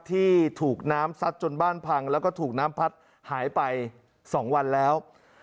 ที่ถูกน้ำซัดจนบ้านพังแล้วก็ถูกน้ำพัดหายไป๒วันแล้ว